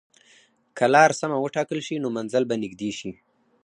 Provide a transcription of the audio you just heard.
که لار سمه وټاکل شي، نو منزل به نږدې شي.